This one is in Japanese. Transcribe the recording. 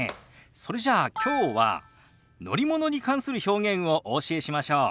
それじゃあきょうは乗り物に関する表現をお教えしましょう。